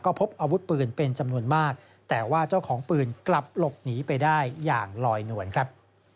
พบอาวุธปืนเป็นจำนวนมากแต่ว่าเจ้าของปืนกลับหลบหนีไปได้อย่างลอยนวลครับ